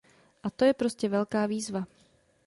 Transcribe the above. A to je prostě velká výzva.